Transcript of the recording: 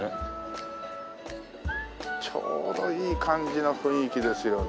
ちょうどいい感じの雰囲気ですよね。